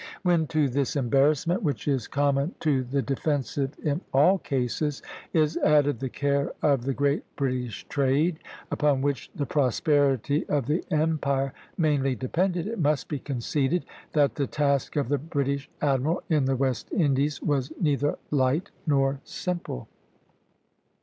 When to this embarrassment, which is common to the defensive in all cases, is added the care of the great British trade upon which the prosperity of the empire mainly depended, it must be conceded that the task of the British admiral in the West Indies was neither light nor simple.